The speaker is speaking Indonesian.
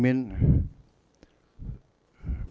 saya juga terima kasih